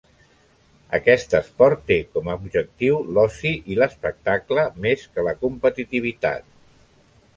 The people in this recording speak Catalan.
Aquest esport té com a objectiu l'oci i l'espectacle, més que la competitivitat.